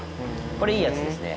これいいやつですね。